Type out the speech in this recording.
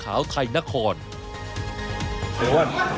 เพราะทุกการเดินทางของคุณจะมีแต่รอยยิ้ม